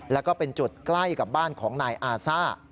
แล้วก็เป็นจุดใกล้กับบ้านของนายอาซ่า